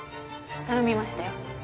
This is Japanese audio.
頼みましたよ。